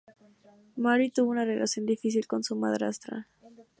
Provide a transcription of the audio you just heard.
Mary tuvo una relación difícil con su madrastra.